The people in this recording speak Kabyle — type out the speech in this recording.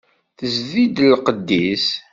Tezdi-d lqedd-is.